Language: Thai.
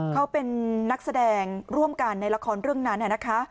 เขาเป็นนักแสดงร่วมกันในละครเรื่องนั้นนะคะ